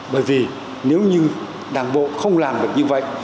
bởi vì nếu như đảng bộ không làm được như vậy